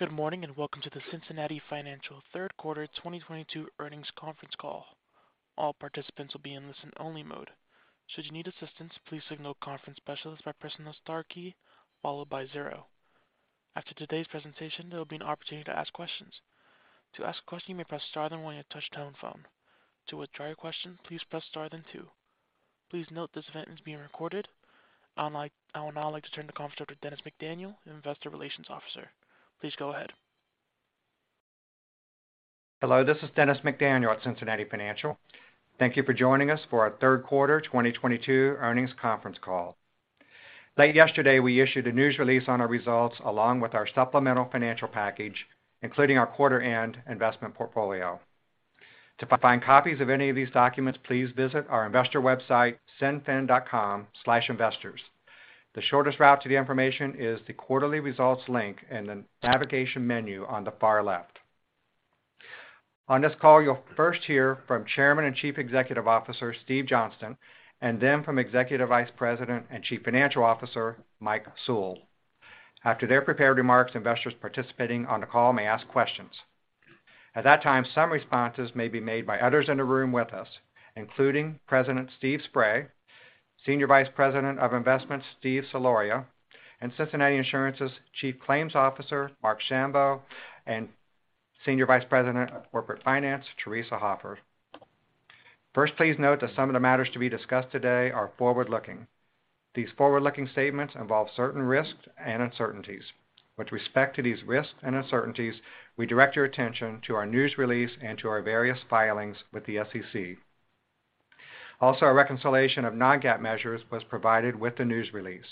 Good morning, and welcome to the Cincinnati Financial third quarter 2022 earnings conference call. All participants will be in listen-only mode. Should you need assistance, please signal a conference specialist by pressing the star key followed by zero. After today's presentation, there'll be an opportunity to ask questions. To ask a question, you may press star then one on a touch-tone phone. To withdraw your question, please press star then two. Please note this event is being recorded. I would now like to turn the conference over to Dennis McDaniel, Investor Relations Officer. Please go ahead. Hello, this is Dennis McDaniel at Cincinnati Financial. Thank you for joining us for our third quarter 2022 earnings conference call. Late yesterday, we issued a news release on our results along with our supplemental financial package, including our quarter-end investment portfolio. To find copies of any of these documents, please visit our investor website, cinfin.com/investors. The shortest route to the information is the Quarterly Results link in the navigation menu on the far left. On this call, you'll first hear from Chairman and Chief Executive Officer, Steve Johnston, and then from Executive Vice President and Chief Financial Officer, Mike Sewell. After their prepared remarks, investors participating on the call may ask questions. At that time, some responses may be made by others in the room with us, including President Steve Spray, Senior Vice President of Investments, Steve Soloria, and Cincinnati Insurance's Chief Claims Officer, Marc Schambow, and Senior Vice President of Corporate Finance, Theresa Hoffer. First, please note that some of the matters to be discussed today are forward-looking. These forward-looking statements involve certain risks and uncertainties. With respect to these risks and uncertainties, we direct your attention to our news release and to our various filings with the SEC. Also, a reconciliation of non-GAAP measures was provided with the news release.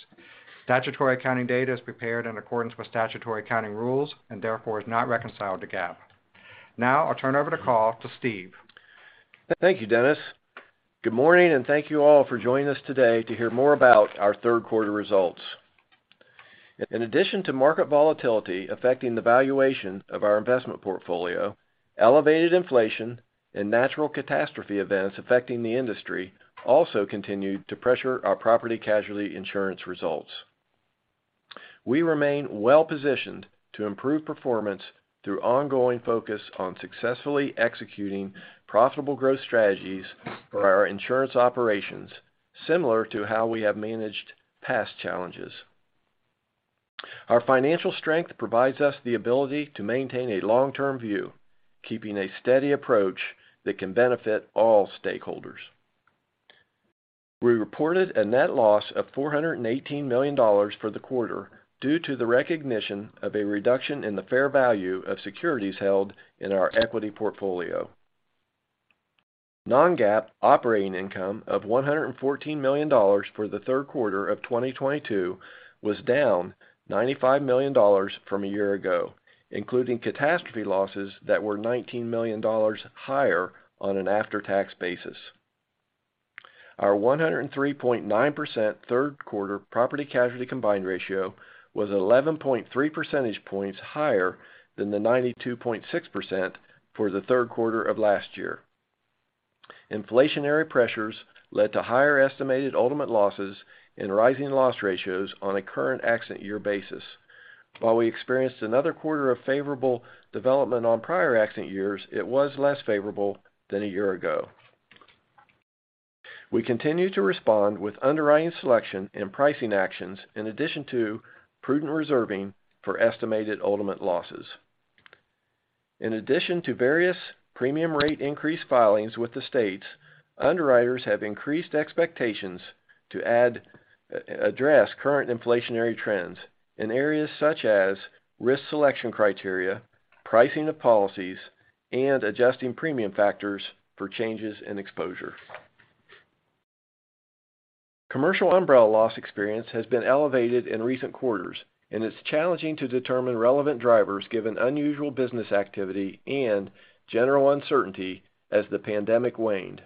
Statutory accounting data is prepared in accordance with statutory accounting rules and therefore is not reconciled to GAAP. Now I'll turn over the call to Steve. Thank you, Dennis. Good morning, and thank you all for joining us today to hear more about our third quarter results. In addition to market volatility affecting the valuation of our investment portfolio, elevated inflation and natural catastrophe events affecting the industry also continued to pressure our property casualty insurance results. We remain well-positioned to improve performance through ongoing focus on successfully executing profitable growth strategies for our insurance operations, similar to how we have managed past challenges. Our financial strength provides us the ability to maintain a long-term view, keeping a steady approach that can benefit all stakeholders. We reported a net loss of $418 million for the quarter due to the recognition of a reduction in the fair value of securities held in our equity portfolio. Non-GAAP operating income of $114 million for the third quarter of 2022 was down $95 million from a year ago, including catastrophe losses that were $19 million higher on an after-tax basis. Our 103.9% third quarter property casualty combined ratio was 11.3 percentage points higher than the 92.6 for the third quarter of last year. Inflationary pressures led to higher estimated ultimate losses and rising loss ratios on a current accident year basis. While we experienced another quarter of favorable development on prior accident years, it was less favorable than a year ago. We continue to respond with underwriting selection and pricing actions, in addition to prudent reserving for estimated ultimate losses. In addition to various premium rate increase filings with the states, underwriters have increased expectations to address current inflationary trends in areas such as risk selection criteria, pricing of policies, and adjusting premium factors for changes in exposure. Commercial umbrella loss experience has been elevated in recent quarters, and it's challenging to determine relevant drivers given unusual business activity and general uncertainty as the pandemic waned.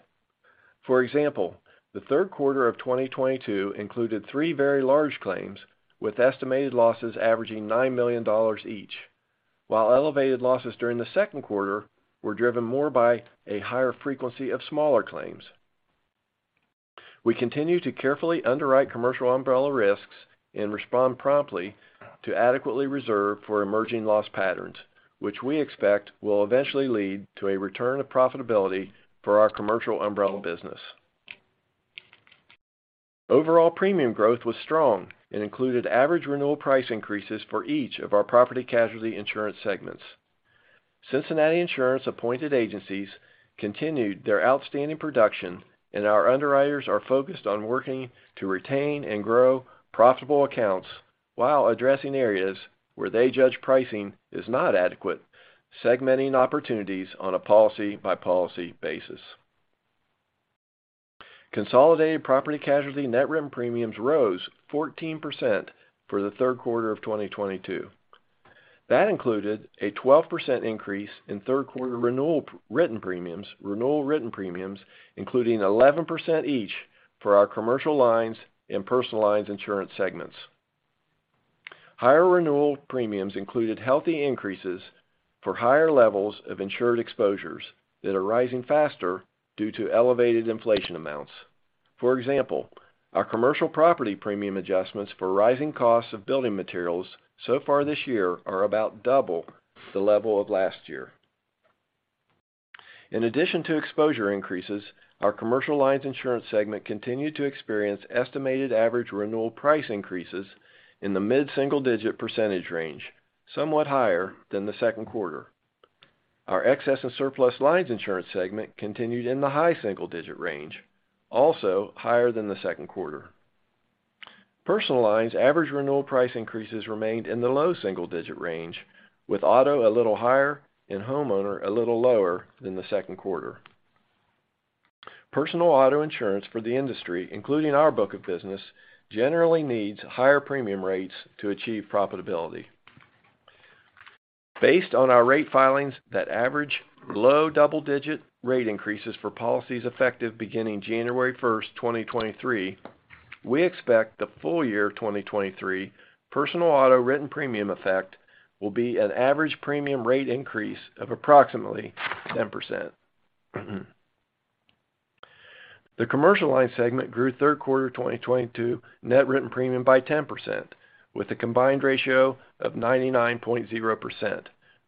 For example, the third quarter of 2022 included three very large claims, with estimated losses averaging $9 million each. While elevated losses during the second quarter were driven more by a higher frequency of smaller claims. We continue to carefully underwrite commercial umbrella risks and respond promptly to adequately reserve for emerging loss patterns, which we expect will eventually lead to a return of profitability for our Commercial Umbrella business. Overall premium growth was strong and included average renewal price increases for each of our Property Casualty Insurance segments. Cincinnati Insurance appointed agencies continued their outstanding production, and our underwriters are focused on working to retain and grow profitable accounts while addressing areas where they judge pricing is not adequate, segmenting opportunities on a policy-by-policy basis. Consolidated property casualty net written premiums rose 14% for the third quarter of 2022. That included a 12% increase in third quarter renewal written premiums, including 11% each for our Commercial Lines and Personal Lines Insurance segments. Higher renewal premiums included healthy increases for higher levels of insured exposures that are rising faster due to elevated inflation amounts. For example, our commercial property premium adjustments for rising costs of building materials so far this year are about double the level of last year. In addition to exposure increases, our Commercial Lines Insurance segment continued to experience estimated average renewal price increases in the mid-single-digit percentage range, somewhat higher than the second quarter. Our Excess and Surplus Lines Insurance segment continued in the high single-digit range, also higher than the second quarter. Personal Lines average renewal price increases remained in the low single-digit range, with auto a little higher and homeowner a little lower than the second quarter. Personal auto insurance for the industry, including our book of business, generally needs higher premium rates to achieve profitability. Based on our rate filings that average low double-digit rate increases for policies effective beginning January 1st, 2023, we expect the full year 2023 personal auto written premium effect will be an average premium rate increase of approximately 10%. The Commercial Lines segment grew third quarter 2022 net written premium by 10%, with a combined ratio of 99.0%,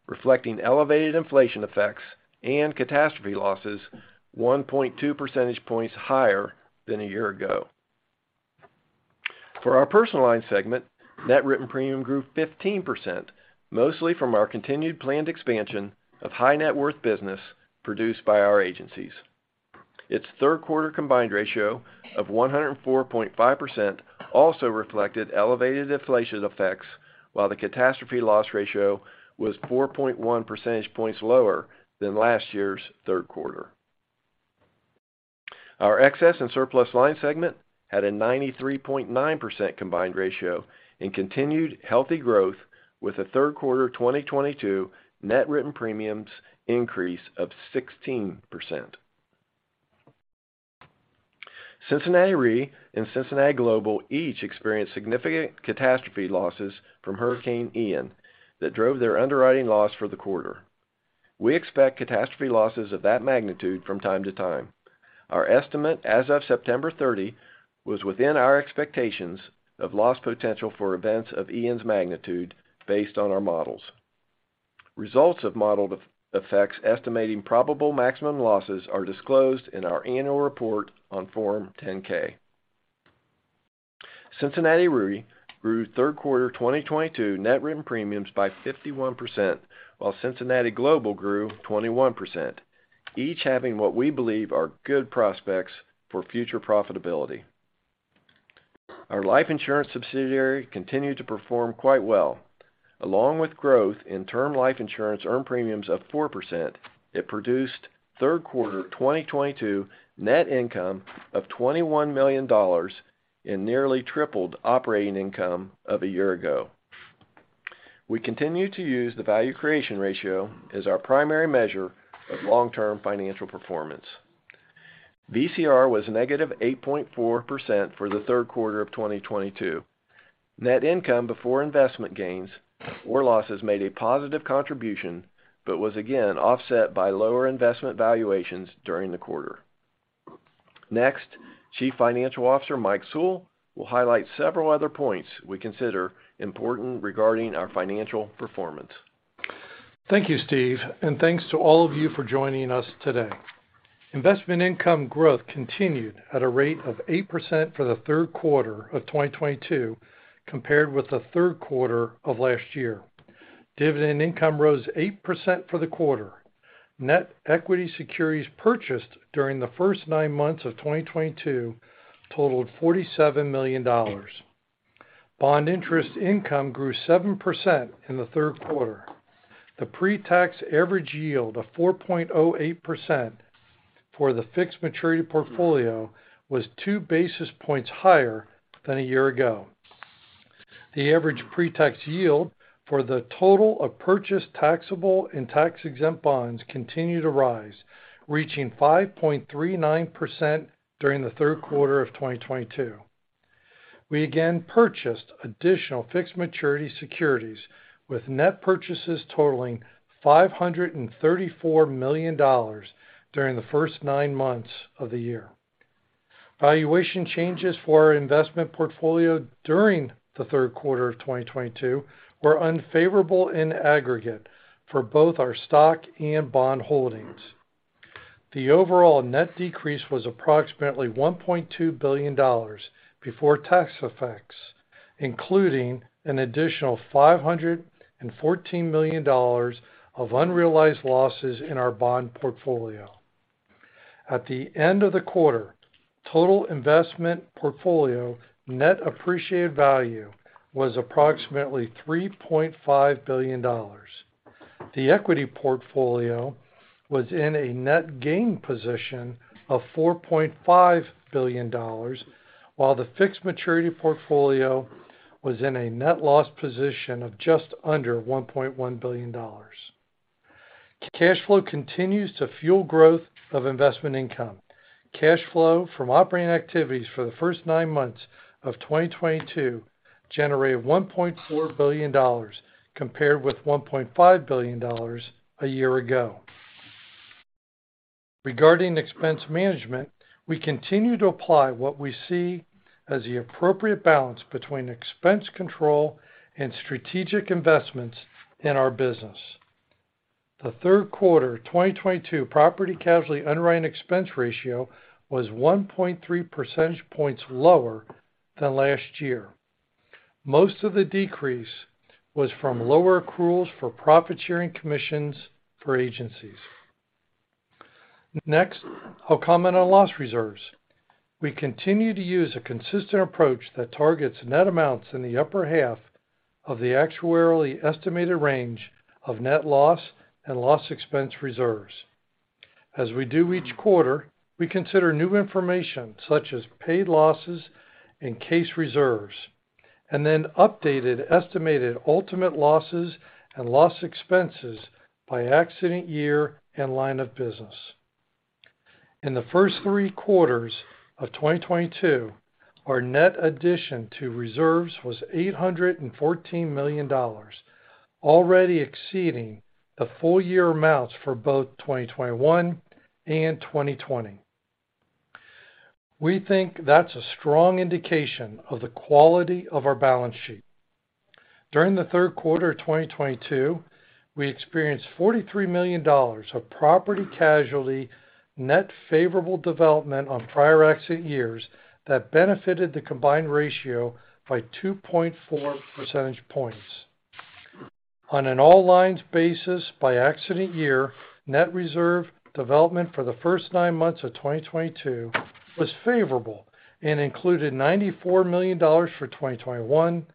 reflecting elevated inflation effects and catastrophe losses 1.2 percentage points higher than a year ago. For our Personal Lines segment, net written premium grew 15%, mostly from our continued planned expansion of high net worth business produced by our agencies. Its third quarter combined ratio of 104.5% also reflected elevated inflation effects, while the catastrophe loss ratio was 4.1 percentage points lower than last year's third quarter. Our Excess and Surplus Lines segment had a 93.9% combined ratio and continued healthy growth with a third quarter 2022 net written premiums increase of 16%. Cincinnati Re and Cincinnati Global each experienced significant catastrophe losses from Hurricane Ian that drove their underwriting loss for the quarter. We expect catastrophe losses of that magnitude from time to time. Our estimate as of September 30 was within our expectations of loss potential for events of Ian's magnitude based on our models. Results of modeled effects estimating probable maximum losses are disclosed in our annual report on Form 10-K. Cincinnati Re grew third quarter 2022 net written premiums by 51%, while Cincinnati Global grew 21%, each having what we believe are good prospects for future profitability. Our life insurance subsidiary continued to perform quite well. Along with growth in term life insurance earned premiums of 4%, it produced third quarter 2022 net income of $21 million and nearly tripled operating income of a year ago. We continue to use the value creation ratio as our primary measure of long-term financial performance. VCR was -8.4% for the third quarter of 2022. Net income before investment gains or losses made a positive contribution, but was again offset by lower investment valuations during the quarter. Next, Chief Financial Officer Mike Sewell will highlight several other points we consider important regarding our financial performance. Thank you, Steve, and thanks to all of you for joining us today. Investment income growth continued at a rate of 8% for the third quarter of 2022 compared with the third quarter of last year. Dividend income rose 8% for the quarter. Net equity securities purchased during the first 9 months of 2022 totaled $47 million. Bond interest income grew 7% in the third quarter. The pre-tax average yield of 4.08% for the fixed maturity portfolio was 2 basis points higher than a year ago. The average pre-tax yield for the total of purchased taxable and tax-exempt bonds continued to rise, reaching 5.39% during the third quarter of 2022. We again purchased additional fixed maturity securities, with net purchases totaling $534 million during the first 9 months of the year. Valuation changes for our investment portfolio during the third quarter of 2022 were unfavorable in aggregate for both our stock and bond holdings. The overall net decrease was approximately $1.2 billion before tax effects, including an additional $514 million of unrealized losses in our bond portfolio. At the end of the quarter, total investment portfolio net appreciated value was approximately $3.5 billion. The equity portfolio was in a net gain position of $4.5 billion, while the fixed maturity portfolio was in a net loss position of just under $1.1 billion. Cash flow continues to fuel growth of investment income. Cash flow from operating activities for the first 9 months of 2022 generated $1.4 billion, compared with $1.5 billion a year ago. Regarding expense management, we continue to apply what we see as the appropriate balance between expense control and strategic investments in our business. The third quarter 2022 property and casualty underwriting expense ratio was 1.3 percentage points lower than last year. Most of the decrease was from lower accruals for profit sharing commissions for agencies. Next, I'll comment on loss reserves. We continue to use a consistent approach that targets net amounts in the upper half of the actuarially estimated range of net loss and loss expense reserves. As we do each quarter, we consider new information such as paid losses and case reserves, and then updated estimated ultimate losses and loss expenses by accident year and line of business. In the first three quarters of 2022, our net addition to reserves was $814 million, already exceeding the full year amounts for both 2021 and 2020. We think that's a strong indication of the quality of our balance sheet. During the third quarter of 2022, we experienced $43 million of property casualty net favorable development on prior accident years that benefited the combined ratio by 2.4 percentage points. On an all lines basis by accident year, net reserve development for the first 9 months of 2022 was favorable and included $94 million for 2021,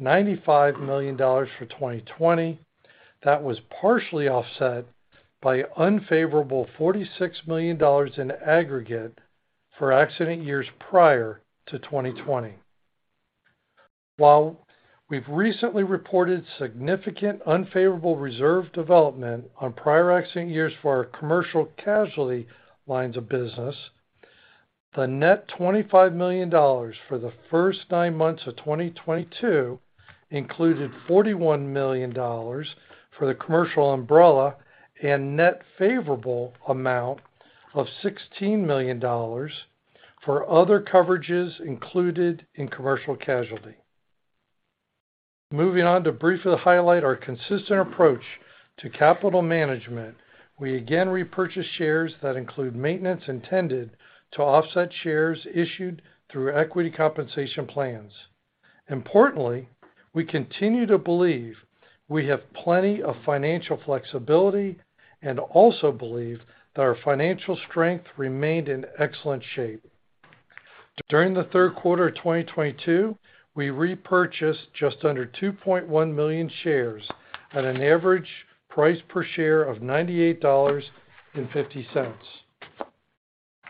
$95 million for 2020. That was partially offset by unfavorable $46 million in aggregate for accident years prior to 2020. While we've recently reported significant unfavorable reserve development on prior accident years for our Commercial Casualty lines of business, the net $25 million for the first 9 months of 2022 included $41 million for the commercial umbrella and net favorable amount of $16 million for other coverages included in commercial casualty. Moving on to briefly highlight our consistent approach to capital management. We again repurchase shares that include maintenance intended to offset shares issued through equity compensation plans. Importantly, we continue to believe we have plenty of financial flexibility and also believe that our financial strength remained in excellent shape. During the third quarter of 2022, we repurchased just under 2.1 million shares at an average price per share of $98.50.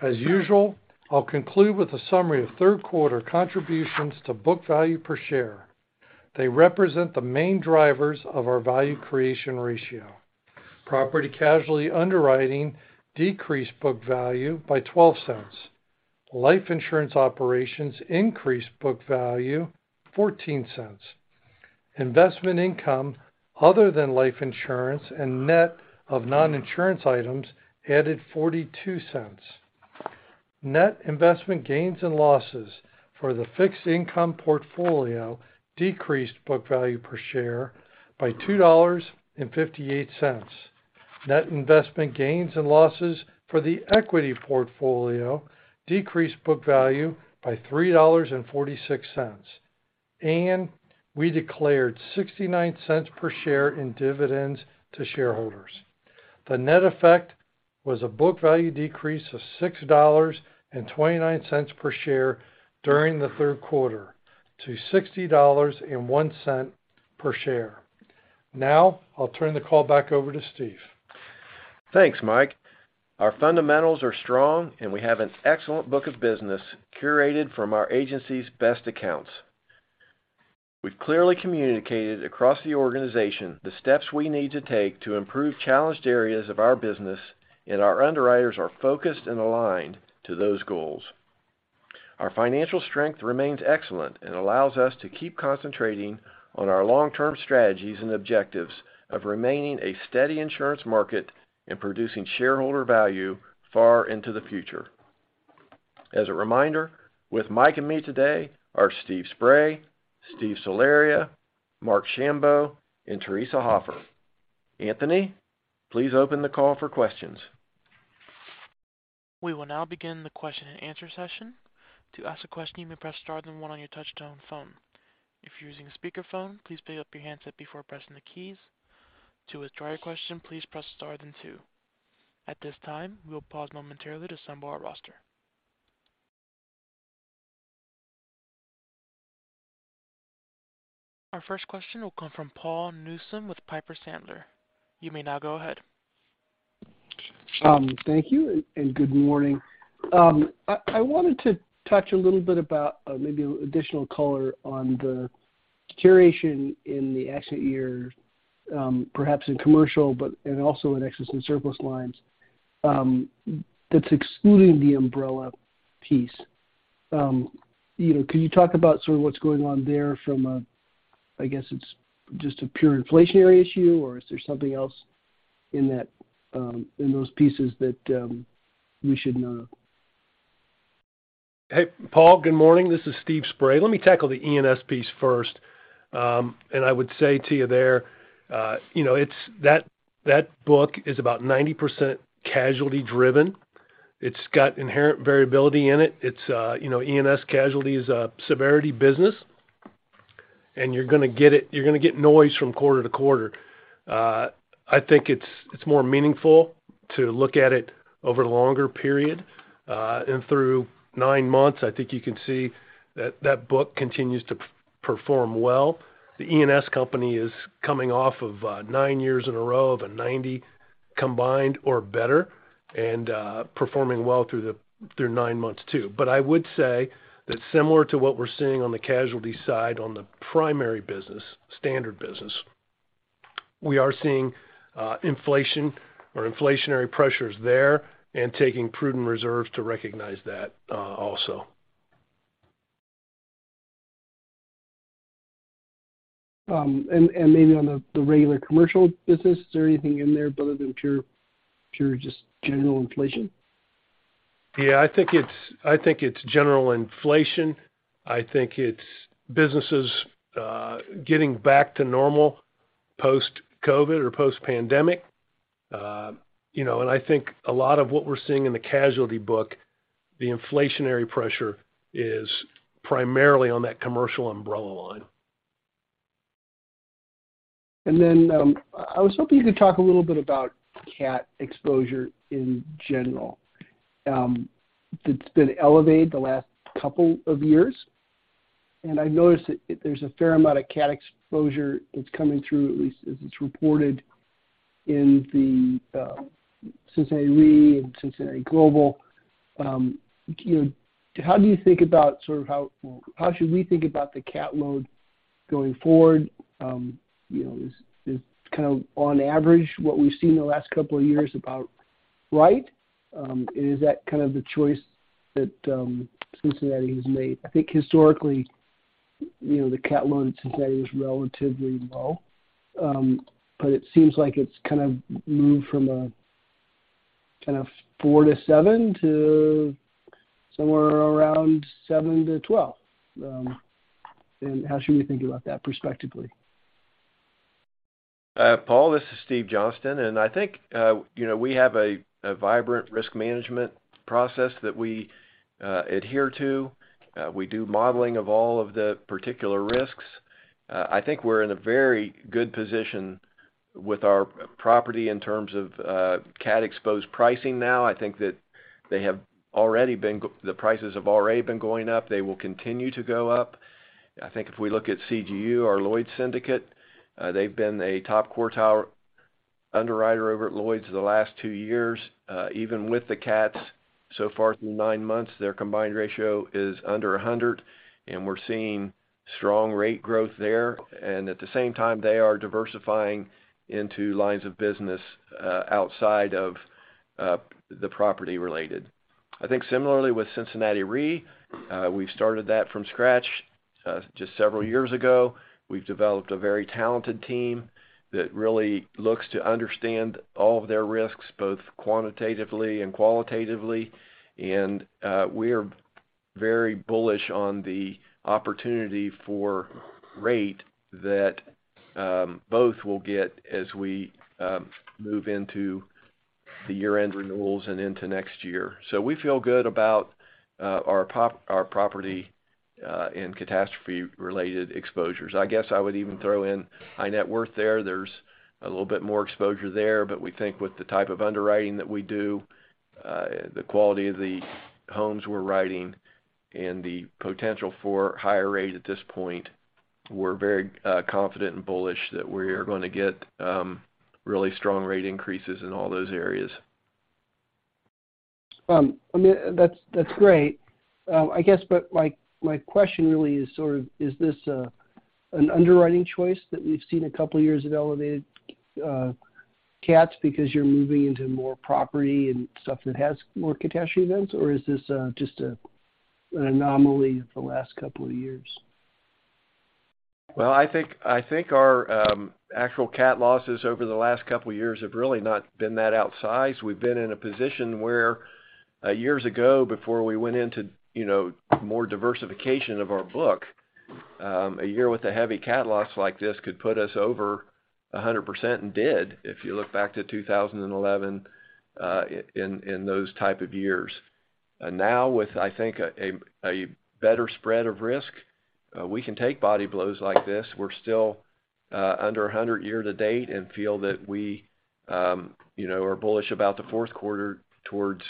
As usual, I'll conclude with a summary of third quarter contributions to book value per share. They represent the main drivers of our value creation ratio. Property casualty underwriting decreased book value by $0.12. Life insurance operations increased book value $0.14. Investment income other than life insurance and net of non-insurance items added $0.42. Net investment gains and losses for the fixed income portfolio decreased book value per share by $2.58. Net investment gains and losses for the equity portfolio decreased book value by $3.46. We declared $0.69 per share in dividends to shareholders. The net effect was a book value decrease of $6.29 per share during the third quarter to $60.01 per share. Now I'll turn the call back over to Steve. Thanks, Mike. Our fundamentals are strong, and we have an excellent book of business curated from our agency's best accounts. We've clearly communicated across the organization the steps we need to take to improve challenged areas of our business, and our underwriters are focused and aligned to those goals. Our financial strength remains excellent and allows us to keep concentrating on our long-term strategies and objectives of remaining a steady insurance market and producing shareholder value far into the future. As a reminder, with Mike and me today are Steve Spray, Steve Soloria, Marc Schambow, and Theresa Hoffer. Anthony, please open the call for questions. We will now begin the question and answer session. To ask a question, you may press star then one on your touchtone phone. If you're using a speakerphone, please pick up your handset before pressing the keys. To withdraw your question, please press star then two. At this time, we will pause momentarily to assemble our roster. Our first question will come from Paul Newsome with Piper Sandler. You may now go ahead. Thank you and good morning. I wanted to touch a little bit about maybe additional color on the deterioration in the accident year, perhaps in Commercial, but also in Excess and Surplus lines, that's excluding the umbrella piece. You know, can you talk about sort of what's going on there from, I guess it's just a purely inflationary issue, or is there something else in that, in those pieces that we should know? Hey, Paul, good morning. This is Steve Spray. Let me tackle the E&S piece first. I would say to you there, you know, it's that book is about 90% casualty-driven. It's got inherent variability in it. It's, you know, E&S casualty is a severity business, and you're gonna get noise from quarter to quarter. I think it's more meaningful to look at it over a longer period. Through 9 months, I think you can see that that book continues to perform well. The E&S company is coming off of 9 years in a row of a 90 combined or better and performing well through 9 months too. I would say that similar to what we're seeing on the casualty side on the primary business, standard business, we are seeing inflation or inflationary pressures there and taking prudent reserves to recognize that, also. Maybe on the regular commercial business, is there anything in there other than pure just general inflation? Yeah, I think it's general inflation. I think it's businesses getting back to normal post-COVID or post-pandemic. You know, I think a lot of what we're seeing in the casualty book, the inflationary pressure is primarily on that commercial umbrella line. I was hoping you could talk a little bit about CAT exposure in general. It's been elevated the last couple of years, and I noticed that there's a fair amount of CAT exposure that's coming through, at least as it's reported in the Cincinnati Re and Cincinnati Global. You know, how do you think about sort of how should we think about the CAT load going forward? You know, is kind of on average, what we've seen in the last couple of years about right? Is that kind of the choice that Cincinnati has made? I think historically, you know, the CAT load at Cincinnati was relatively low. It seems like it's kind of moved from a kind of four to seven to somewhere around seven to 12. How should we think about that prospectively? Paul, this is Steve Johnston. I think you know we have a vibrant risk management process that we adhere to. We do modeling of all of the particular risks. I think we're in a very good position with our property in terms of CAT-exposed pricing now. I think that the prices have already been going up. They will continue to go up. I think if we look at CGU, our Lloyd's syndicate, they've been a top quartile underwriter over at Lloyd's the last 2 years. Even with the CATs, so far through 9 months, their combined ratio is under 100, and we're seeing strong rate growth there. At the same time, they are diversifying into lines of business outside of the property related. I think similarly with Cincinnati Re, we started that from scratch, just several years ago. We've developed a very talented team that really looks to understand all of their risks, both quantitatively and qualitatively. We are very bullish on the opportunity for rate that both will get as we move into the year-end renewals and into next year. We feel good about our property and catastrophe related exposures. I guess I would even throw in high net worth there. There's a little bit more exposure there, but we think with the type of underwriting that we do, the quality of the homes we're writing and the potential for higher rate at this point, we're very confident and bullish that we are gonna get really strong rate increases in all those areas. I mean, that's great. I guess, but my question really is sort of, is this an underwriting choice that we've seen a couple of years of elevated CATs because you're moving into more property and stuff that has more catastrophe events, or is this just an anomaly the last couple of years? Well, I think our actual CAT losses over the last couple of years have really not been that outsized. We've been in a position where years ago, before we went into, you know, more diversification of our book, a year with a heavy CAT loss like this could put us over 100% and did, if you look back to 2011, in those type of years. Now, with I think a better spread of risk, we can take body blows like this. We're still under 100% year-to-date and feel that we, you know, are bullish about the fourth quarter towards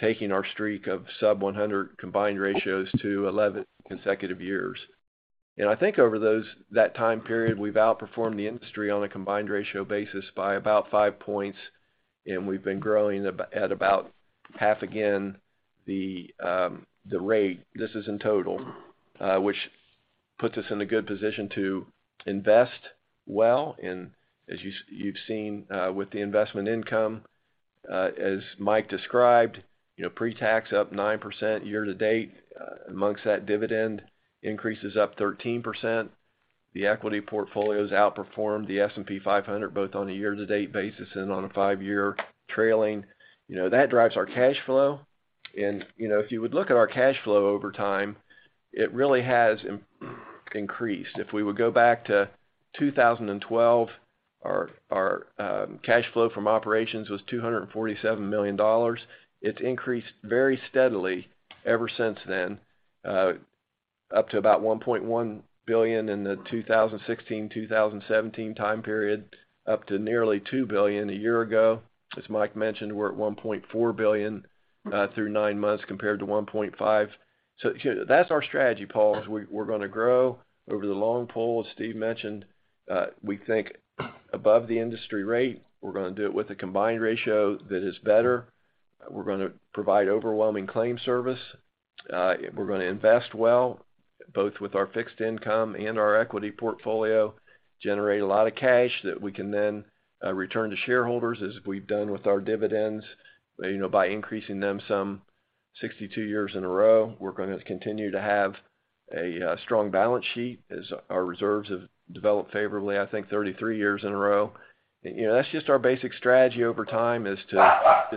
taking our streak of sub 100 combined ratios to 11 consecutive years. I think over that time period, we've outperformed the industry on a combined ratio basis by about 5 points, and we've been growing at about half again the rate. This is in total, which puts us in a good position to invest well in, as you've seen, with the investment income. As Mike described, you know, pre-tax up 9% year-to-date. Amongst that dividend increase is up 13%. The equity portfolio's outperformed the S&P 500, both on a year-to-date basis and on a 5-year trailing. You know, that drives our cash flow. You know, if you would look at our cash flow over time, it really has increased. If we would go back to 2012, our cash flow from operations was $247 million. It's increased very steadily ever since then, up to about $1.1 billion in the 2016, 2017 time period, up to nearly $2 billion a year ago. As Mike mentioned, we're at $1.4 billion through 9 months compared to $1.5 billion. That's our strategy, Paul, is we're gonna grow over the long haul, as Steve mentioned. We think above the industry rate, we're gonna do it with a combined ratio that is better. We're gonna provide overwhelming claim service. We're gonna invest well, both with our fixed income and our equity portfolio, generate a lot of cash that we can then return to shareholders as we've done with our dividends, you know, by increasing them some 62 years in a row. We're gonna continue to have a strong balance sheet as our reserves have developed favorably, I think, 33 years in a row. You know, that's just our basic strategy over time, is to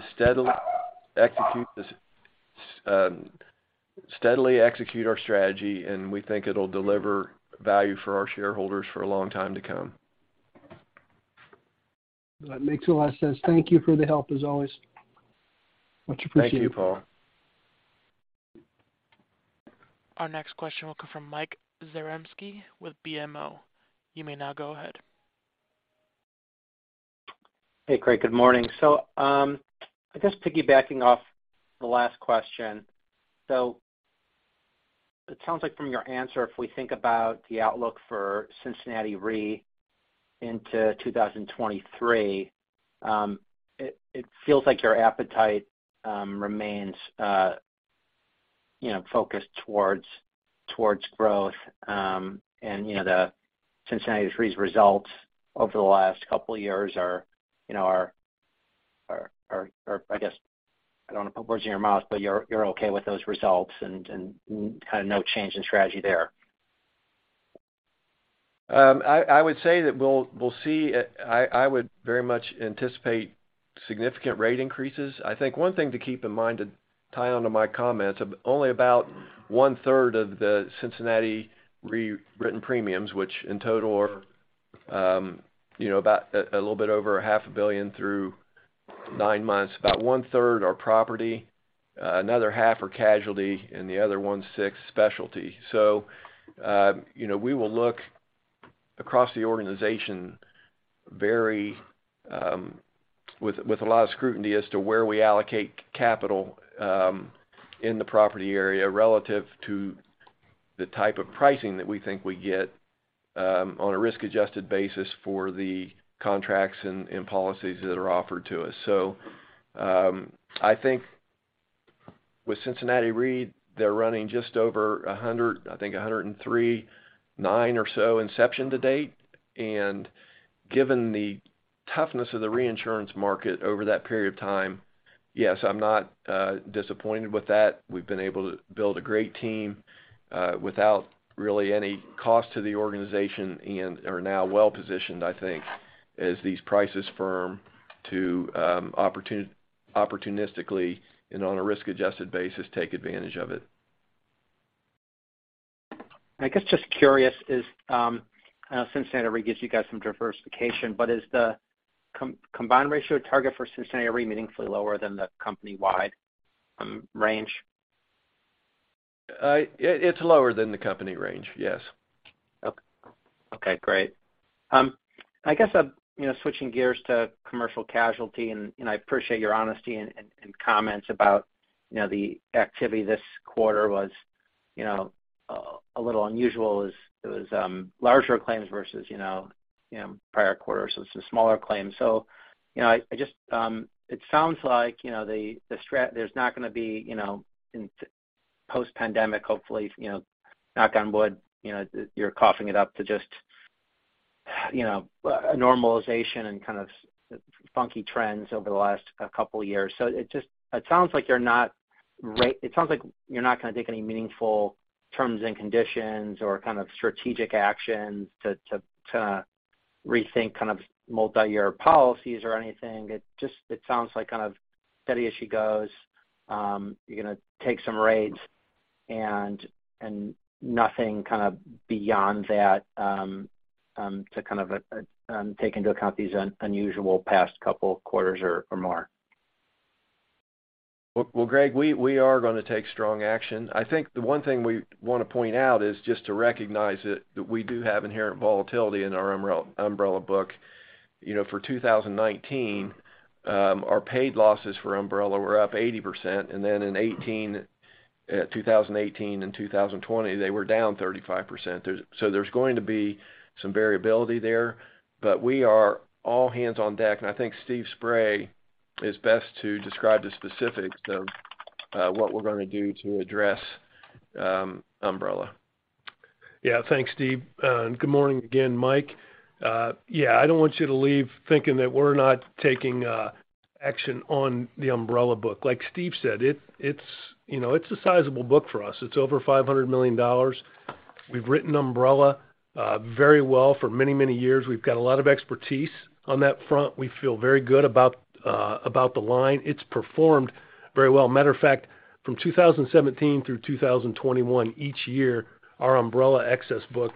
steadily execute our strategy, and we think it'll deliver value for our shareholders for a long time to come. That makes a lot of sense. Thank you for the help, as always. Much appreciated. Thank you, Paul. Our next question will come from Mike Zaremski with BMO. You may now go ahead. Hey, Craig. Good morning. I guess piggybacking off the last question. It sounds like from your answer, if we think about the outlook for Cincinnati Re into 2023, it feels like your appetite remains, you know, focused towards growth. You know, the Cincinnati Re's results over the last couple of years are, you know, I guess, I don't want to put words in your mouth, but you're okay with those results and kind of no change in strategy there. I would say that we'll see. I would very much anticipate significant rate increases. I think one thing to keep in mind, to tie onto my comments, only about 1/3 of the Cincinnati Re written premiums, which in total are about a little bit over $500 million through 9 months, about 1/3 are property, another 1/2 are casualty, and the other 1/6 specialty. We will look across the organization very with a lot of scrutiny as to where we allocate capital in the property area relative to the type of pricing that we think we get on a risk-adjusted basis for the contracts and policies that are offered to us. I think with Cincinnati Re, they're running just over 100, I think 103.9 or so inception to date. Given the toughness of the reinsurance market over that period of time, yes, I'm not disappointed with that. We've been able to build a great team without really any cost to the organization and are now well-positioned, I think, as these prices firm to opportunistically and on a risk-adjusted basis, take advantage of it. I guess, just curious is, Cincinnati Re gives you guys some diversification, but is the combined ratio target for Cincinnati Re meaningfully lower than the company-wide range? It's lower than the company range, yes. Okay, great. I guess, you know, switching gears to commercial casualty, and I appreciate your honesty and comments about, you know, the activity this quarter was, you know, a little unusual as it was, larger claims versus, you know, prior quarters was the smaller claims. I just. It sounds like, you know, there's not gonna be, you know, post-pandemic, hopefully, you know, knock on wood, you know, you're chalking it up to just, you know, a normalization and kind of funky trends over the last couple of years. It sounds like you're not gonna take any meaningful terms and conditions or kind of strategic actions to rethink kind of multi-year policies or anything. It sounds like kind of steady as she goes. You're gonna take some rates and nothing kind of beyond that to kind of take into account these unusual past couple quarters or more. Well, Greg, we are gonna take strong action. I think the one thing we wanna point out is just to recognize that we do have inherent volatility in our umbrella book. You know, for 2019, our paid losses for umbrella were up 80%, and then in 2018 and 2020, they were down 35%. There's going to be some variability there. But we are all hands on deck, and I think Stephen Spray is best to describe the specifics of what we're gonna do to address umbrella. Yeah. Thanks, Steve. Good morning again, Mike. Yeah, I don't want you to leave thinking that we're not taking action on the umbrella book. Like Steve said, it's, you know, it's a sizable book for us. It's over $500 million. We've written umbrella very well for many, many years. We've got a lot of expertise on that front. We feel very good about the line. It's performed very well. Matter of fact, from 2017 through 2021, each year, our umbrella excess book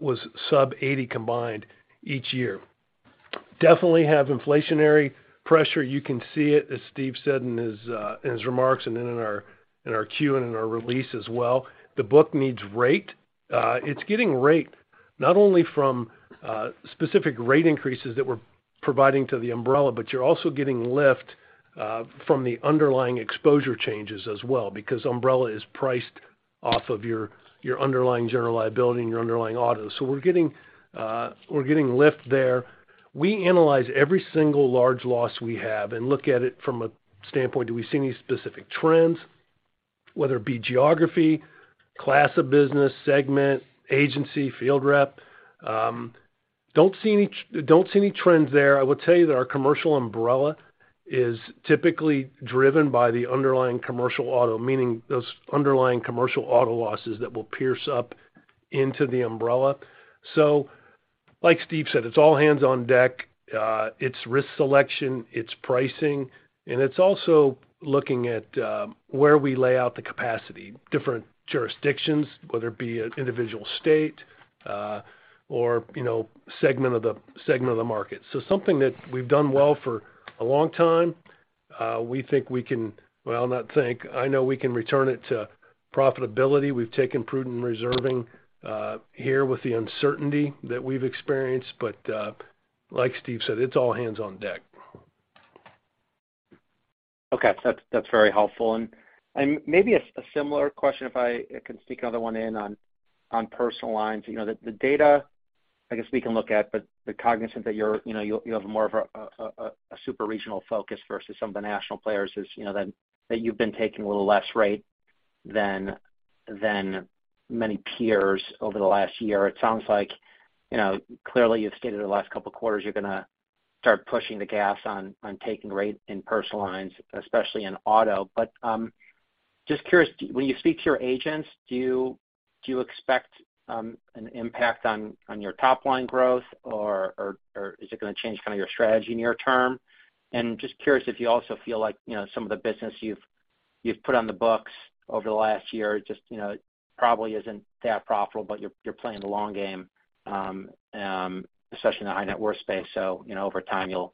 was sub 80 combined each year. Definitely have inflationary pressure. You can see it, as Steve said in his remarks and then in our Q and in our release as well. The book needs rate. It's getting rate not only from specific rate increases that we're providing to the umbrella, but you're also getting lift from the underlying exposure changes as well, because umbrella is priced off of your underlying general liability and your underlying auto. So we're getting lift there. We analyze every single large loss we have and look at it from a standpoint, do we see any specific trends, whether it be geography, class of business, segment, agency, field rep. Don't see any trends there. I will tell you that our commercial umbrella is typically driven by the underlying commercial auto, meaning those underlying commercial auto losses that will pierce up into the umbrella. So like Steve said, it's all hands on deck. It's risk selection, it's pricing, and it's also looking at where we lay out the capacity, different jurisdictions, whether it be an individual state or, you know, segment of the market. Something that we've done well for a long time, we think we can. Well, not think. I know we can return it to profitability. We've taken prudent reserving here with the uncertainty that we've experienced, but like Steve said, it's all hands on deck. Okay. That's very helpful. Maybe a similar question, if I can sneak another one in on personal lines. You know, the data, I guess, we can look at, but they're cognizant that you're, you know, you have more of a super regional focus versus some of the national players, you know that you've been taking a little less rate than many peers over the last year. It sounds like, you know, clearly you've stated the last couple of quarters you're gonna start pushing the gas on taking rate in personal lines, especially in auto. Just curious, when you speak to your agents, do you expect an impact on your top line growth, or is it gonna change kind of your strategy near term? Just curious if you also feel like, you know, some of the business you've put on the books over the last year just, you know, probably isn't that profitable, but you're playing the long game, especially in the high net worth space. You know, over time you'll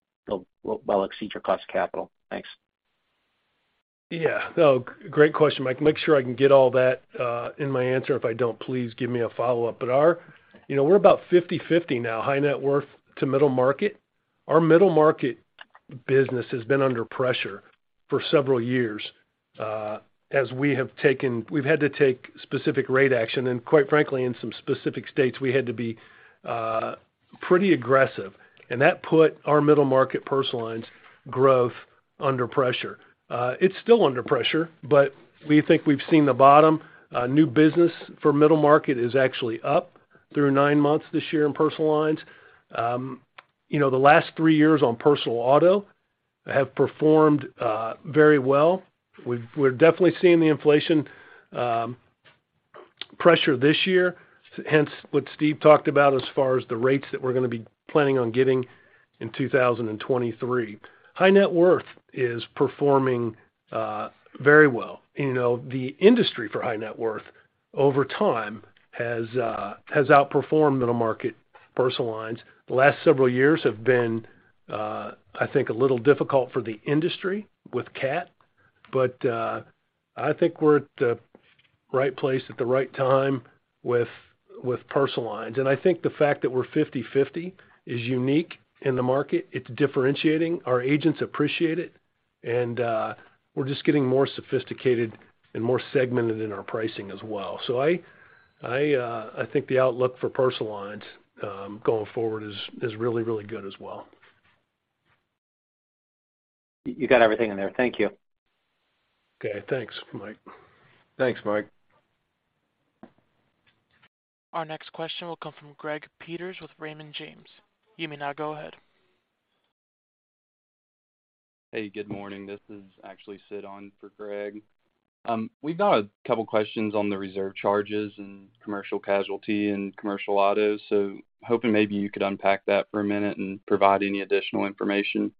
well exceed your cost of capital. Thanks. Yeah. No, great question, Mike. Make sure I can get all that in my answer. If I don't, please give me a follow-up. Our you know, we're about 50/50 now, high net worth to middle market. Our middle market business has been under pressure for several years as we've had to take specific rate action, and quite frankly, in some specific states, we had to be pretty aggressive. That put our middle market personal lines growth under pressure. It's still under pressure, but we think we've seen the bottom. New business for middle market is actually up through 9 months this year in personal lines. You know, the last 3 years on personal auto have performed very well. We're definitely seeing the inflation pressure this year. Hence what Steve talked about as far as the rates that we're gonna be planning on giving in 2023. High net worth is performing very well. You know, the industry for high net worth over time has outperformed middle market personal lines. The last several years have been, I think, a little difficult for the industry with CAT, but I think we're at the right place at the right time with personal lines. I think the fact that we're 50/50 is unique in the market. It's differentiating. Our agents appreciate it, and we're just getting more sophisticated and more segmented in our pricing as well. I think the outlook for personal lines going forward is really, really good as well. You got everything in there. Thank you. Okay. Thanks, Mike. Thanks, Mike. Our next question will come from Greg Peters with Raymond James. You may now go ahead. Hey, good morning. This is actually Sid on for Greg. We've got a couple questions on the reserve charges in commercial casualty and commercial auto, hoping maybe you could unpack that for a minute and provide any additional information.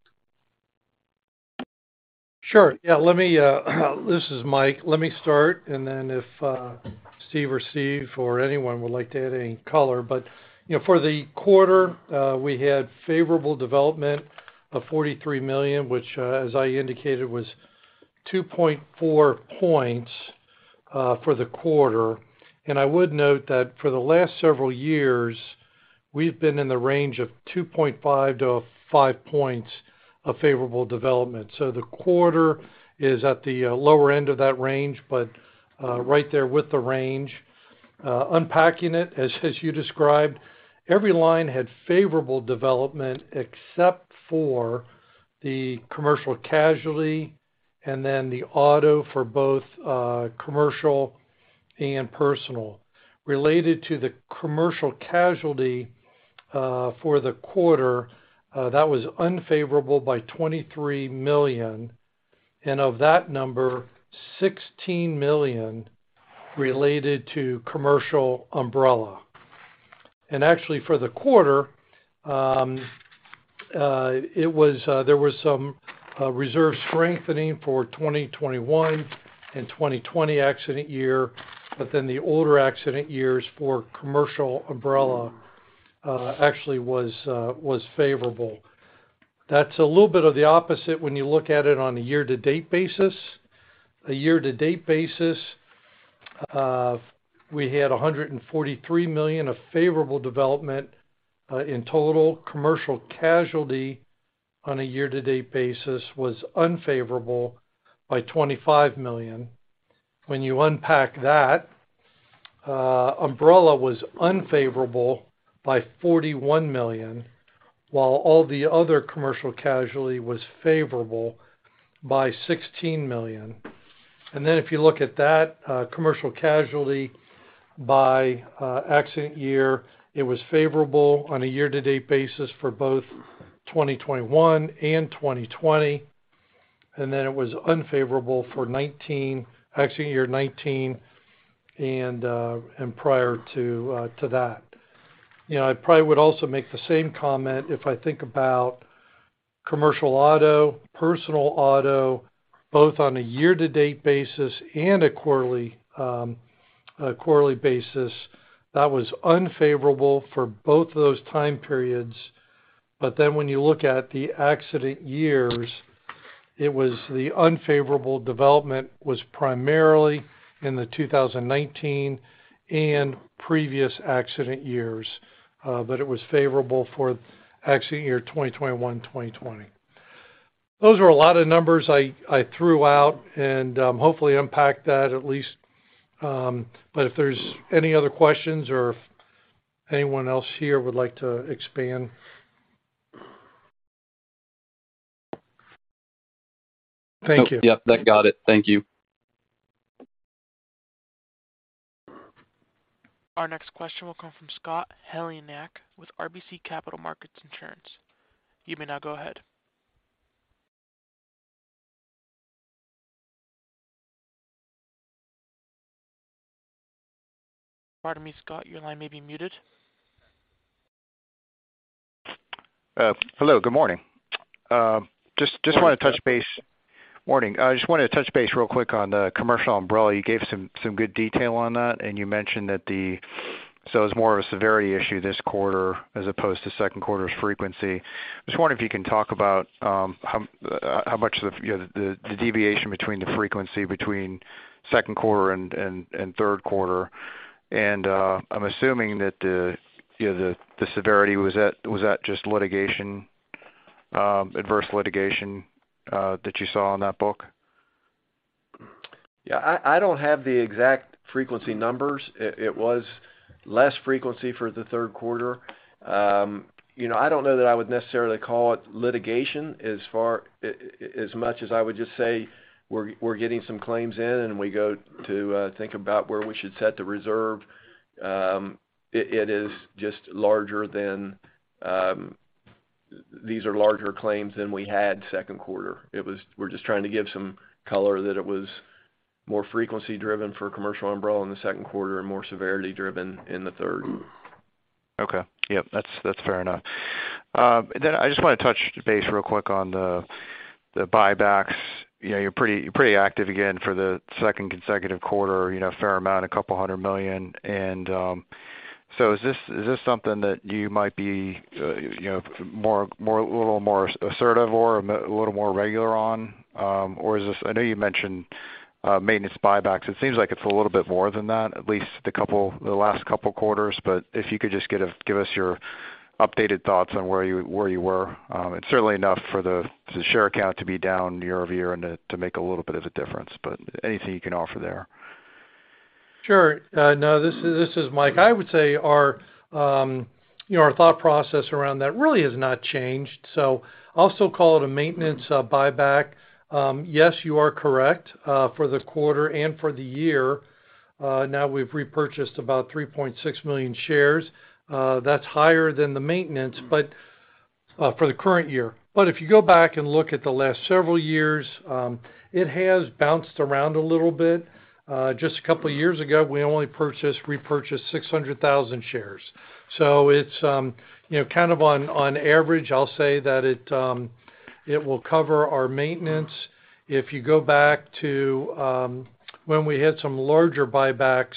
Sure. Yeah, let me. This is Mike. Let me start, and then if Steve or Steve or anyone would like to add any color. You know, for the quarter, we had favorable development of $43 million, which, as I indicated, was 2.4 points for the quarter. I would note that for the last several years, we've been in the range of 2.5 points-5 points of favorable development. The quarter is at the lower end of that range, but right there with the range. Unpacking it, as you described, every line had favorable development except for the commercial casualty and then the auto for both commercial and personal. Related to the commercial casualty, for the quarter, that was unfavorable by $23 million. Of that number, $16 million related to commercial umbrella. Actually, for the quarter, there was some reserve strengthening for 2021 and 2020 accident year, but then the older accident years for commercial umbrella actually was favorable. That's a little bit of the opposite when you look at it on a year-to-date basis. On a year-to-date basis, we had $143 million of favorable development in total. Commercial casualty on a year-to-date basis was unfavorable by $25 million. When you unpack that, umbrella was unfavorable by $41 million, while all the other commercial casualty was favorable by $16 million. If you look at that, commercial casualty by accident year, it was favorable on a year-to-date basis for both 2021 and 2020, and it was unfavorable for accident year 2019 and prior to that. You know, I probably would also make the same comment if I think about commercial auto, personal auto, both on a year-to-date basis and a quarterly basis. That was unfavorable for both of those time periods. When you look at the accident years, the unfavorable development was primarily in the 2019 and previous accident years, but it was favorable for accident year 2021, 2020. Those are a lot of numbers I threw out and hopefully unpacked that at least. If there's any other questions or if anyone else here would like to expand. Thank you. Yep. That got it. Thank you. Our next question will come from Scott Heleniak with RBC Capital Markets Insurance. You may now go ahead. Pardon me, Scott. Your line may be muted. Hello, good morning. Just wanna touch base. Morning. I just wanted to touch base real quick on the commercial umbrella. You gave some good detail on that, and you mentioned that so it's more of a severity issue this quarter as opposed to second quarter's frequency. Just wondering if you can talk about how much of the, you know, the deviation between the frequency between second quarter and third quarter. I'm assuming that the, you know, the severity was at just litigation, adverse litigation that you saw on that book? Yeah. I don't have the exact frequency numbers. It was less frequency for the third quarter. You know, I don't know that I would necessarily call it litigation as far as much as I would just say we're getting some claims in and we go to think about where we should set the reserve. It is just larger than these are larger claims than we had second quarter. We're just trying to give some color that it was more frequency driven for commercial umbrella in the second quarter and more severity driven in the third. Okay. Yep. That's fair enough. Then I just want to touch base real quick on the buybacks. You know, you're pretty active again for the second consecutive quarter, you know, a fair amount, a couple hundred million. So is this something that you might be, you know, a little more assertive or a little more regular on? Or is this? I know you mentioned maintenance buybacks. It seems like it's a little bit more than that, at least the last couple quarters. If you could just give us your updated thoughts on where you were. It's certainly enough for the share count to be down year-over-year and to make a little bit of a difference. Anything you can offer there. Sure. No, this is Mike. I would say our you know our thought process around that really has not changed. I'll still call it a maintenance buyback. Yes, you are correct for the quarter and for the year. Now we've repurchased about 3.6 million shares. That's higher than the maintenance, but for the current year. If you go back and look at the last several years, it has bounced around a little bit. Just a couple of years ago, we only repurchased 600,000 shares. It's you know kind of on average. I'll say that it will cover our maintenance. If you go back to when we had some larger buybacks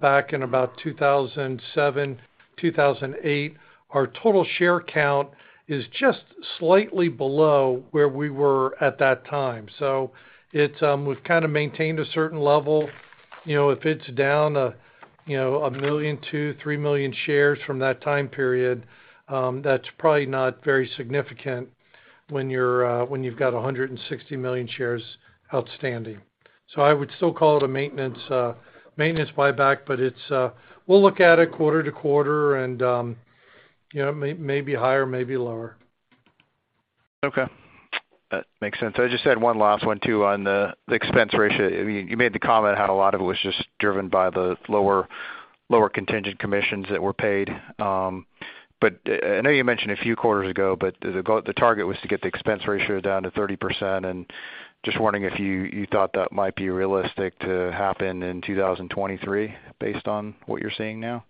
back in about 2007, 2008, our total share count is just slightly below where we were at that time. We've kinda maintained a certain level. You know, if it's down, you know, 1.2 million, 3 million shares from that time period, that's probably not very significant when you're when you've got 160 million shares outstanding. I would still call it a maintenance buyback, but it's we'll look at it quarter to quarter and you know may be higher, may be lower. Okay. That makes sense. I just had one last one too on the expense ratio. I mean, you made the comment how a lot of it was just driven by the lower contingent commissions that were paid. I know you mentioned a few quarters ago, but the target was to get the expense ratio down to 30%, and just wondering if you thought that might be realistic to happen in 2023 based on what you're seeing now.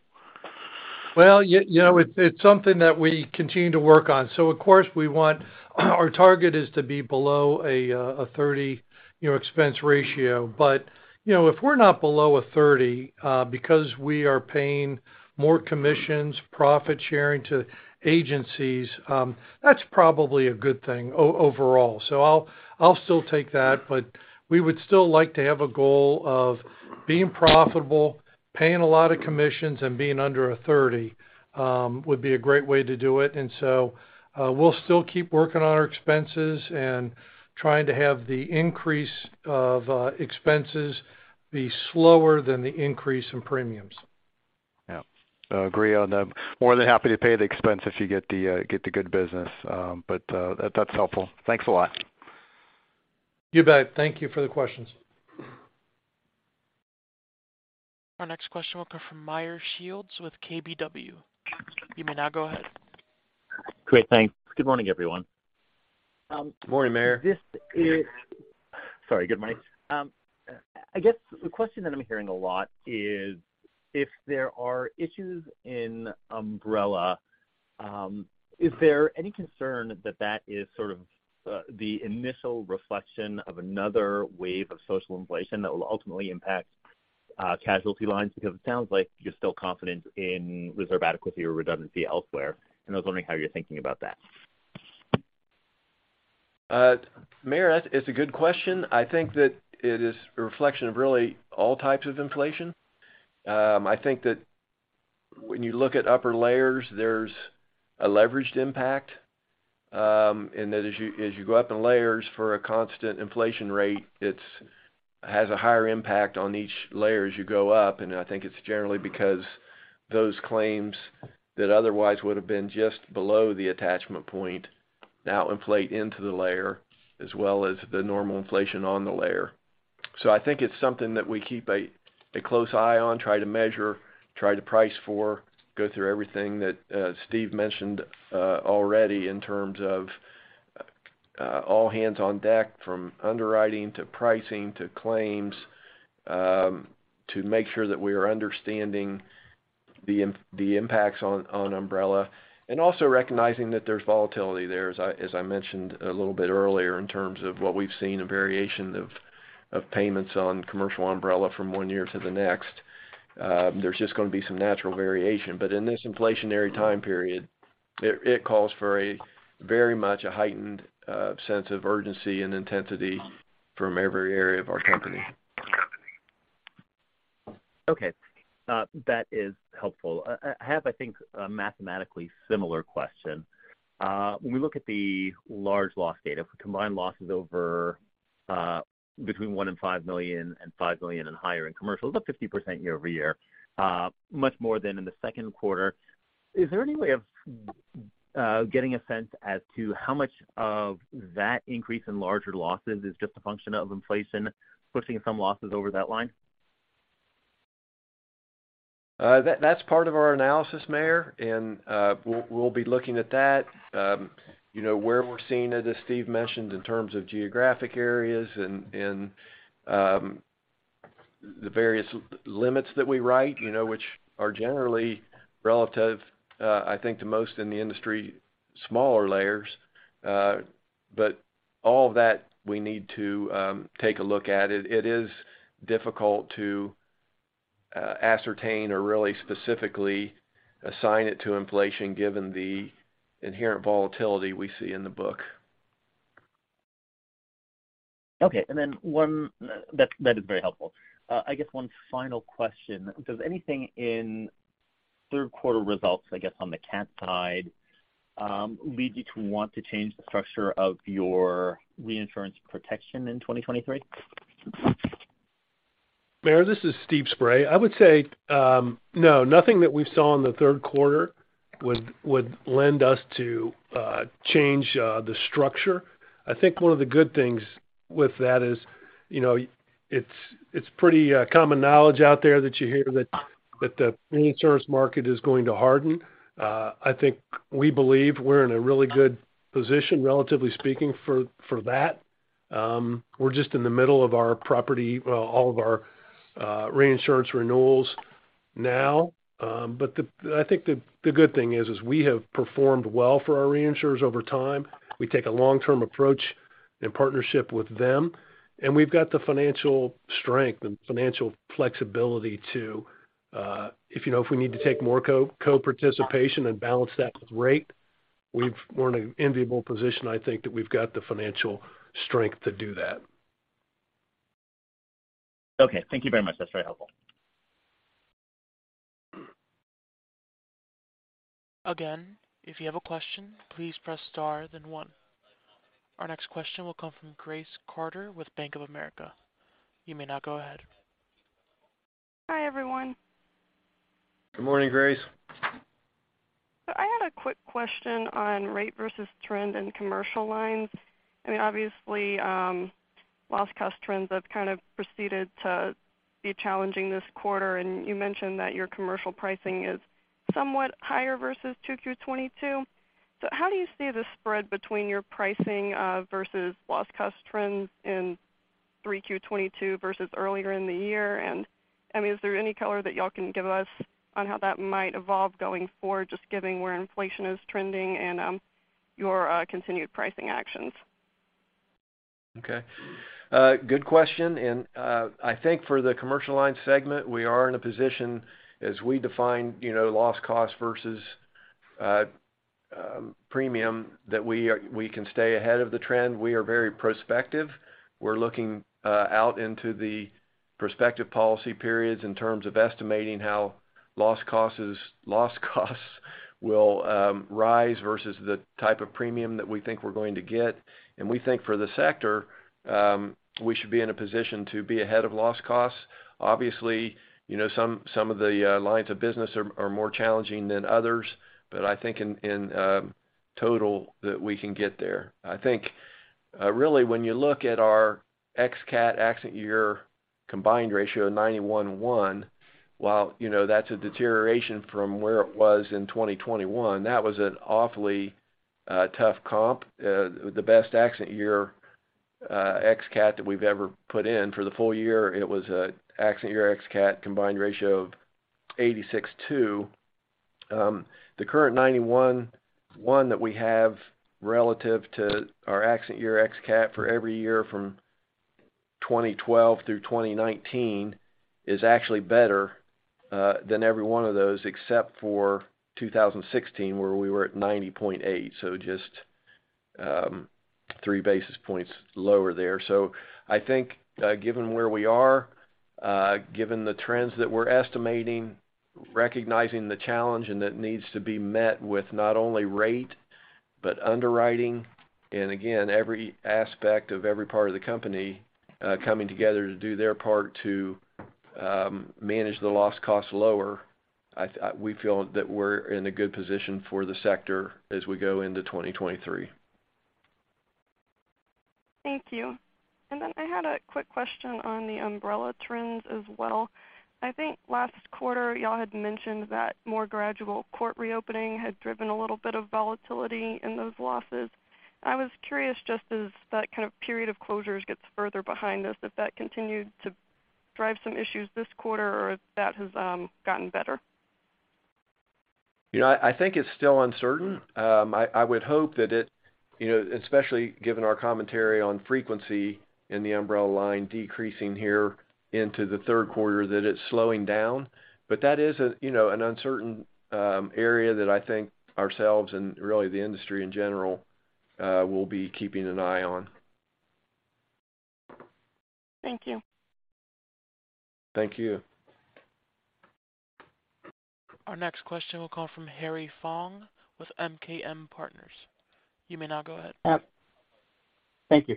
Well, you know, it's something that we continue to work on. Of course we want. Our target is to be below a 30% expense ratio. You know, if we're not below a 30%, because we are paying more commissions, profit sharing to agencies, that's probably a good thing overall. I'll still take that, but we would still like to have a goal of being profitable, paying a lot of commissions, and being under a 30%, would be a great way to do it. We'll still keep working on our expenses and trying to have the increase of expenses be slower than the increase in premiums. Yeah. I agree. I'm more than happy to pay the expense if you get the good business. That's helpful. Thanks a lot. You bet. Thank you for the questions. Our next question will come from Meyer Shields with KBW. You may now go ahead. Great. Thanks. Good morning, everyone. Good morning, Meyer. Sorry, good mic. I guess the question that I'm hearing a lot is if there are issues in umbrella, is there any concern that that is sort of, the initial reflection of another wave of social inflation that will ultimately impact, casualty lines? Because it sounds like you're still confident in reserve adequacy or redundancy elsewhere. I was wondering how you're thinking about that. Meyer, it's a good question. I think that it is a reflection of really all types of inflation. I think that when you look at upper layers, there's a leveraged impact, and that as you go up in layers for a constant inflation rate, it has a higher impact on each layer as you go up. I think it's generally because those claims that otherwise would have been just below the attachment point now inflate into the layer as well as the normal inflation on the layer. I think it's something that we keep a close eye on, try to measure, try to price for, go through everything that Steve mentioned already in terms of all hands on deck, from underwriting to pricing to claims, to make sure that we are understanding the impacts on umbrella and also recognizing that there's volatility there, as I mentioned a little bit earlier in terms of what we've seen a variation of payments on commercial umbrella from one year to the next. There's just gonna be some natural variation. In this inflationary time period, it calls for a very much a heightened sense of urgency and intensity from every area of our company. Okay. That is helpful. I have, I think, a mathematically similar question. When we look at the large loss data for combined losses over between $1 million and $5 million and $5 million and higher in commercial, it's up 50% year-over-year, much more than in the second quarter. Is there any way of getting a sense as to how much of that increase in larger losses is just a function of inflation pushing some losses over that line? That's part of our analysis, Meyer, and we'll be looking at that. You know, where we're seeing it, as Steve mentioned, in terms of geographic areas and the various limits that we write, you know, which are generally relative, I think to most in the industry, smaller layers. All of that we need to take a look at it. It is difficult to ascertain or really specifically assign it to inflation given the inherent volatility we see in the book. Okay. That is very helpful. I guess one final question. Does anything in third quarter results, I guess, on the CAT side, lead you to want to change the structure of your reinsurance protection in 2023? Meyer, this is Steve Spray. I would say no, nothing that we saw in the third quarter would lend us to change the structure. I think one of the good things with that is, you know, it's pretty common knowledge out there that you hear that the reinsurance market is going to harden. I think we believe we're in a really good position, relatively speaking, for that. We're just in the middle of our property all of our reinsurance renewals now. But I think the good thing is we have performed well for our reinsurers over time. We take a long-term approach in partnership with them, and we've got the financial strength and financial flexibility to, if, you know, if we need to take more co-participation and balance that with rate, we're in an enviable position, I think, that we've got the financial strength to do that. Okay. Thank you very much. That's very helpful. Again, if you have a question, please press star then one. Our next question will come from Grace Carter with Bank of America. You may now go ahead. Hi, everyone. Good morning, Grace. I had a quick question on rate versus trend in commercial lines. I mean, obviously, loss cost trends have kind of proceeded to be challenging this quarter, and you mentioned that your commercial pricing is somewhat higher versus 2Q 2022. How do you see the spread between your pricing versus loss cost trends in 3Q 2022 versus earlier in the year? I mean, is there any color that y'all can give us on how that might evolve going forward, just given where inflation is trending and your continued pricing actions? Okay. Good question, and I think for the Commercial Lines segment, we are in a position as we define, you know, loss cost versus premium that we can stay ahead of the trend. We are very prospective. We're looking out into the prospective policy periods in terms of estimating how loss costs will rise versus the type of premium that we think we're going to get. We think for the sector we should be in a position to be ahead of loss costs. Obviously, you know, some of the lines of business are more challenging than others, but I think in total that we can get there. I think really when you look at our ex-CAT accident year combined ratio of 91.1, while you know that's a deterioration from where it was in 2021, that was an awfully tough comp. The best accident year ex-CAT that we've ever put in for the full year, it was a accident year ex-CAT combined ratio of 86.2. The current 91.1 that we have relative to our accident year ex-CAT for every year from 2012 through 2019 is actually better than every one of those, except for 2016, where we were at 90.8, so just 3 basis points lower there. I think, given where we are, given the trends that we're estimating, recognizing the challenge and that needs to be met with not only rate but underwriting, and again, every aspect of every part of the company, coming together to do their part to manage the loss cost lower. We feel that we're in a good position for the sector as we go into 2023. Thank you. I had a quick question on the umbrella trends as well. I think last quarter y'all had mentioned that more gradual court reopening had driven a little bit of volatility in those losses. I was curious just as that kind of period of closures gets further behind us, if that continued to drive some issues this quarter or if that has gotten better? You know, I think it's still uncertain. I would hope that it, you know, especially given our commentary on frequency in the umbrella line decreasing here into the third quarter, that it's slowing down. That is a you know an uncertain area that I think ourselves and really the industry in general will be keeping an eye on. Thank you. Thank you. Our next question will come from Harry Fong with MKM Partners. You may now go ahead. Thank you.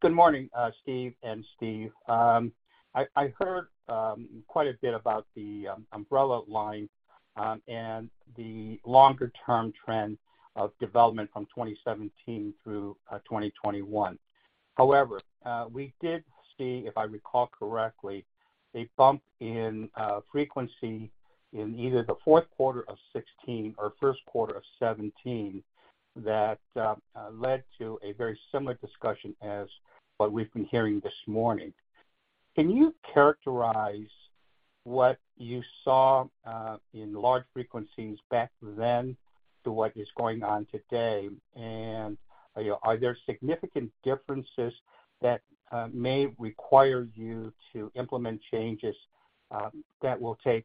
Good morning, Steve and Steve. I heard quite a bit about the umbrella line and the longer-term trend of development from 2017 through 2021. However, we did see, if I recall correctly, a bump in frequency in either the fourth quarter of 2016 or first quarter of 2017 that led to a very similar discussion as what we've been hearing this morning. Can you characterize what you saw in loss frequencies back then to what is going on today? Are there significant differences that may require you to implement changes that will take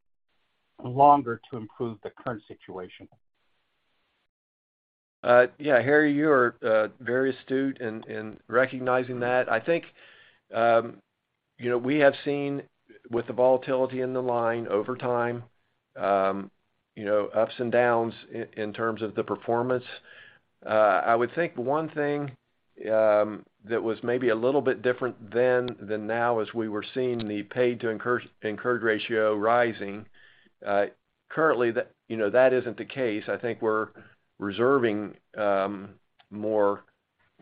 longer to improve the current situation? Yeah, Harry, you are very astute in recognizing that. I think you know, we have seen with the volatility in the line over time, you know, ups and downs in terms of the performance. I would think one thing that was maybe a little bit different then than now is we were seeing the paid to incurred ratio rising. Currently, that isn't the case. I think we're reserving more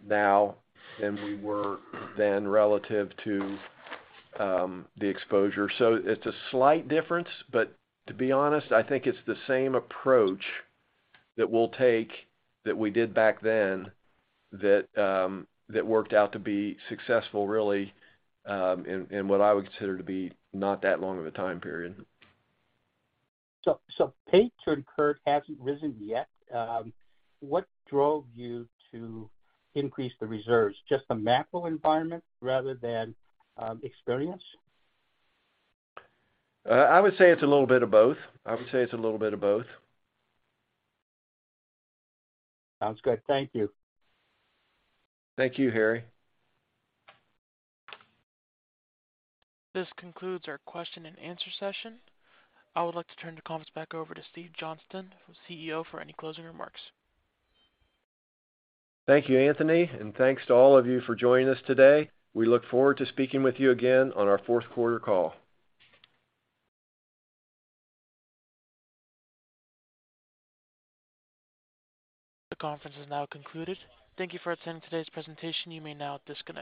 now than we were then relative to the exposure. It's a slight difference, but to be honest, I think it's the same approach that we'll take that we did back then that worked out to be successful really in what I would consider to be not that long of a time period. Paid to incurred hasn't risen yet. What drove you to increase the reserves? Just the macro environment rather than experience? I would say it's a little bit of both. Sounds good. Thank you. Thank you, Harry. This concludes our question and answer session. I would like to turn the conference back over to Steve Johnston, CEO, for any closing remarks. Thank you, Anthony. Thanks to all of you for joining us today. We look forward to speaking with you again on our fourth quarter call. The conference has now concluded. Thank you for attending today's presentation. You may now disconnect.